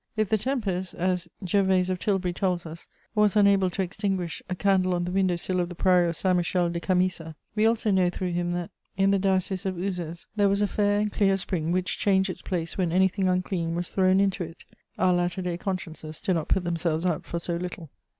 If the tempest, as Gervase of Tilbury tells us, was unable to extinguish a candle on the window sill of the priory of Saint Michel "de Camissa," we also know through him that, in the Diocese of Uzès, there was a fair and clear spring which changed its place when anything unclean was thrown into it: our latter day consciences do not put themselves out for so little.